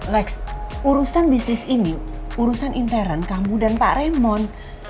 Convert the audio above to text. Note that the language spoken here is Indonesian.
lex urusan bisnis ini urusan intern kamu dan pak remon